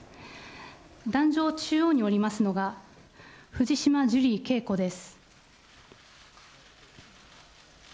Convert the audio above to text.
壇上中央におりますのが、藤島ジュリー景子です。